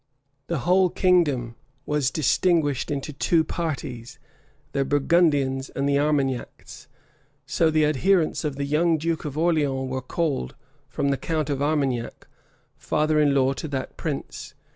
The whole kingdom was distinguished into two parties, the Burgundians and the Armagnacs; so the adherents of the young duke of Orleans were called, from the count of Armagnac, father in law to that prince.